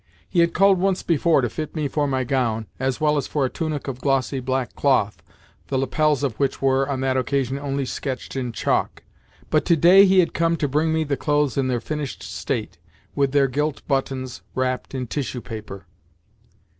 He had called once before to fit me for my gown, as well as for a tunic of glossy black cloth (the lapels of which were, on that occasion, only sketched in chalk), but to day he had come to bring me the clothes in their finished state, with their gilt buttons wrapped in tissue paper.